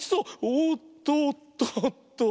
おっとっとっと！